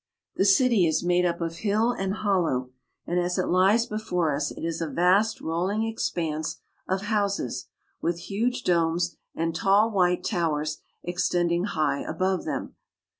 The city is made up of hill and hollow, and as it lies before us it is a vast rolling expanse of houses, with huge domes and tall white towers extending high above them.